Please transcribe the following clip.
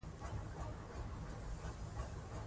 مالي چلند باید مثبت بدلون ومومي.